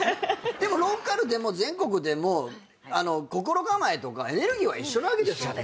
でもローカルでも全国でも心構えとかエネルギーは一緒なわけですもんね。